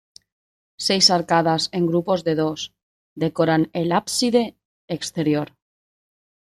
Seis arcadas, en grupos de dos, decoran el ábside exterior.